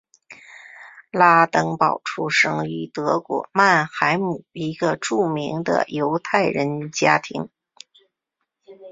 拉登堡出生于德国曼海姆一个著名的犹太人家庭。